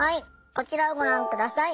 こちらをご覧下さい。